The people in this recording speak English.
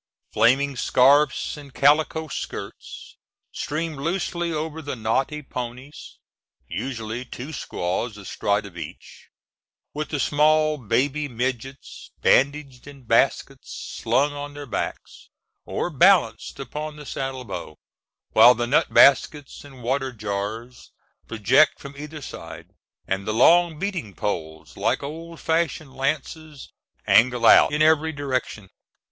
Flaming scarfs and calico skirts stream loosely over the knotty ponies, usually two squaws astride of each, with the small baby midgets bandaged in baskets slung on their backs, or balanced upon the saddle bow, while the nut baskets and water jars project from either side, and the long beating poles, like old fashioned lances, angle out in every direction.